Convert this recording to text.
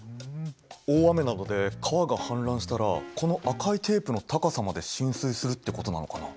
大雨などで川が氾濫したらこの赤いテープの高さまで浸水するってことなのかな。